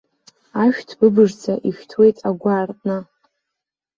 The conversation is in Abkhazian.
Ашәҭ быбышӡа ишәҭуеит агәы аартны.